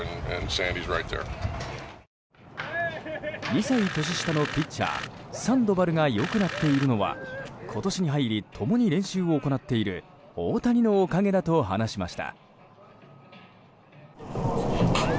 ２歳年下のピッチャーサンドバルが良くなっているのは今年に入り共に練習を行っている大谷のおかげだと話しました。